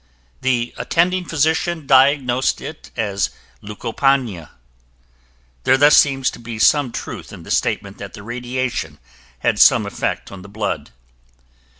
The attending physician diagnosed it as leucopania. There thus seems to be some truth in the statement that the radiation had some effect on the blood.